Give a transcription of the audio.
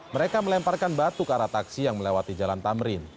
mereka melemparkan batu ke arah taksi yang melewati jalan tamrin